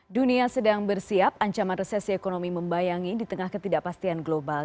dunia sedang bersiap ancaman resesi ekonomi membayangi di tengah ketidakpastian global